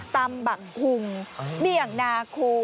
ตำบัคคุงเมียงนาครู